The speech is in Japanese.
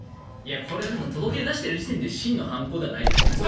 これは届け出を出している時点で真の反抗ではないですね。